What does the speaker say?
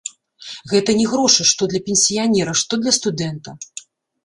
Гэта не грошы, што для пенсіянера, што для студэнта.